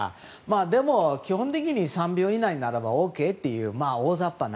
でも、基本的に３秒以内ならばＯＫという、大雑把な。